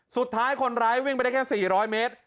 สุดท้ายคนร้ายวิ่งไปได้แค่๔๐๐เมตร